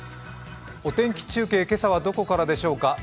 お天気中継、今朝はどちらからでしょうか。